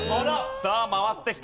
さあ回ってきた。